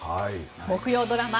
木曜ドラマ